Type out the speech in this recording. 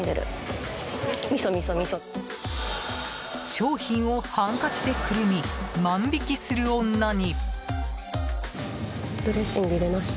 商品をハンカチでくるみ万引きする女に。